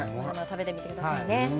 食べてみてくださいね